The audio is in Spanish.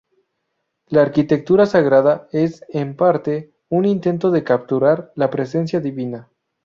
La arquitectura sagrada es, en parte, un intento de capturar la presencia divina.